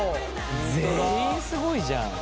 全員すごいじゃん。